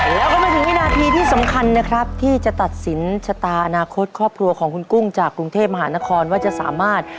แล้วก็มาถึงวินาทีที่สำคัญนะครับที่จะตัดสินชะตาอนาคตครอบครัวของคุณกุ้งจากกรุงเทพมหานครว่าจะสามารถ